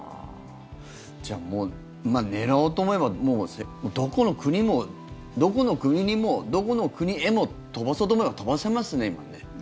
じゃあもう狙おうと思えばどこの国もどこの国にも、どこの国へも飛ばそうと思えば飛ばせますね。